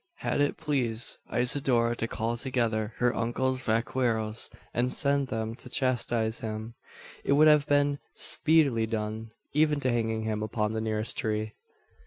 Had it pleased Isidora to call together her uncle's vaqueros, and send them to chastise him, it would have been speedily done even to hanging him upon the nearest tree!